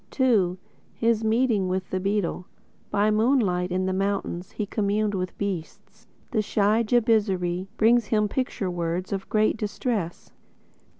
II (His Meeting With The Beetle) By moonlight in the mountains He communed with beasts. The shy Jabizri brings him picture words Of great distress.